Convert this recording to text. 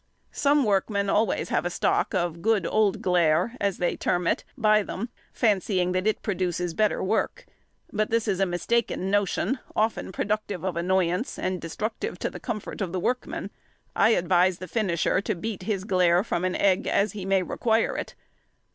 Some workmen always have a stock of "good old glaire," as they term it, by them, fancying that it produces better work, but this is a mistaken notion, often productive of annoyance, and destructive to the comfort of the workmen. I advise the finisher to beat his glaire from an egg as he may require it.